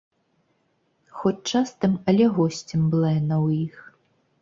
Хоць частым, але госцем была яна ў іх.